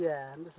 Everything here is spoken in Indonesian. itu udah berapa